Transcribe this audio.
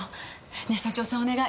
ねえ社長さんお願い！